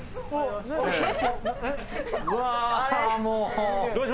うわもう。